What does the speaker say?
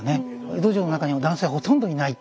江戸城の中には男性ほとんどいない。